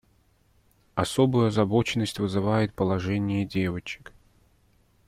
Особую озабоченность вызывает положение девочек.